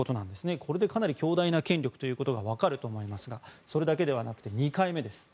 これでかなり強大な権力ということが分かると思いますがそれだけではなくて２回目です。